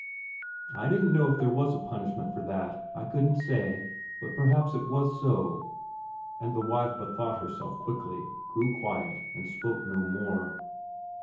"I didn't know if there was a punishment for that; I couldn't say, but perhaps it was so," and the wife bethought herself quickly, grew quiet, and spoke no more.